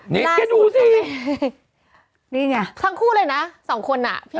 นี่ยังไม่รู้สินี่ไงทางคู่เลยนะสองคนน่ะ